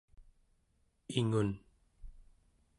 ingun¹